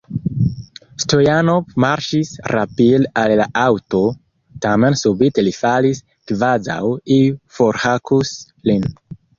Stojanov marŝis rapide al la aŭto, tamen subite li falis, kvazaŭ iu forhakus lin.